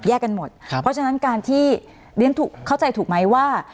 เพราะฉะนั้นการที่เลี้ยงเข้าใจถูกไหมว่า